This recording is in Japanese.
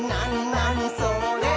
なにそれ？」